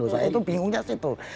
saya itu bingungnya sih tuh